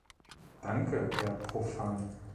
Danke, Herr Provan.